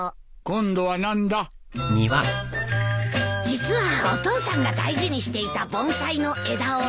実はお父さんが大事にしていた盆栽の枝を。